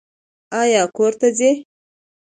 ایا کور ته ځئ؟